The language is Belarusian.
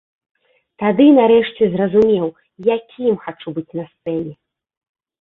Тады, нарэшце, зразумеў, якім хачу быць на сцэне.